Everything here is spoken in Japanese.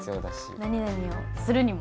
何何をするにも。